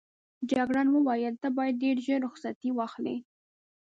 جګړن وویل ته باید ډېر ژر رخصتي واخلې.